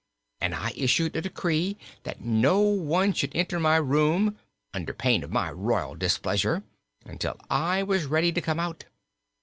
And I issued a decree that no one should enter my room, under pain of my royal displeasure, until I was ready to come out.